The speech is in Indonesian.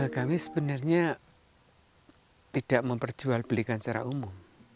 kami sebenarnya tidak memperjual belikan secara umum